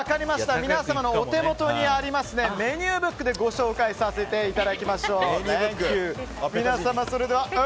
皆様のお手元にあるメニューブックでご紹介させていただきましょう。